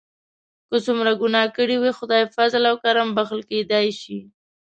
که څومره ګناه کړي وي خدای په فضل او کرم بښل کیدای شي.